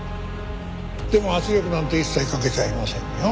でも圧力なんて一切かけちゃいませんよ。